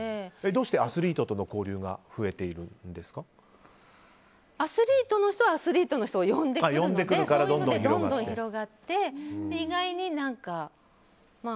どうしてアスリートとの交流がアスリートの人はアスリートの人を呼んでくるのでそういうのでどんどん広まって、意外に。